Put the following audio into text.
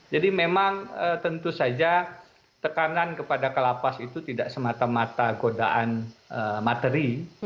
jadi memang tentu saja tekanan kepada kla pas itu tidak semata mata godaan materi